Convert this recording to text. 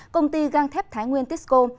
công ty gang thép thái nguyên tisco